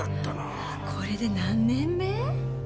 これで何年目？